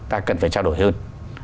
ta cần phải trao đổi hơn